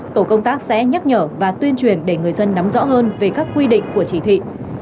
tổ công tác sẽ nhắc nhở và tuyên truyền để người dân nắm rõ hơn về các quy định của chỉ thị